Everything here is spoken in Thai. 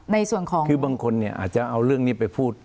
ในส่วนของคือบางคนเนี่ยอาจจะเอาเรื่องนี้ไปพูด